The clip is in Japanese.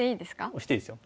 押していいですよ。